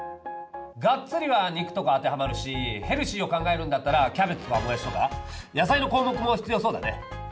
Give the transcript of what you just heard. がっつりは肉とか当てはまるしヘルシーを考えるんだったらキャベツとかもやしとか野菜の項目も必要そうだね。